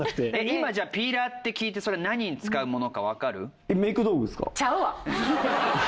今じゃあピーラーって聞いてそれ何に使うものかわかる？ちゃうわ。